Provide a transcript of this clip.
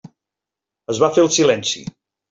Es va fer el silenci.